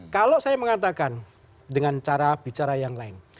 kalau saya mengatakan dengan cara bicara yang lain